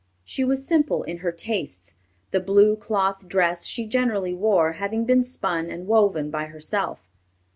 She was simple in her tastes, the blue cloth dress she generally wore having been spun and woven by herself.